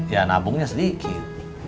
ya nabungnya sedikit